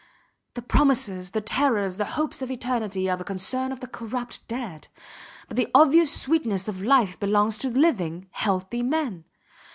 The promises, the terrors, the hopes of eternity, are the concern of the corrupt dead; but the obvious sweetness of life belongs to living, healthy men.